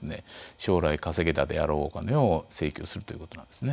将来稼げたであろうお金を請求するということなんですね。